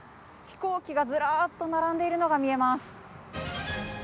飛行機がずらーっと並んでいるのが見えます。